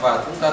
và chúng ta